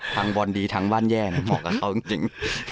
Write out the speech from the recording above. ทั้งบอลดีทั้งว่านแย่มองกับเขาจริง